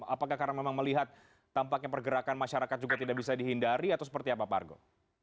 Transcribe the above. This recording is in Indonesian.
apakah karena memang melihat tampaknya pergerakan masyarakat juga tidak bisa dihindari atau seperti apa pak argo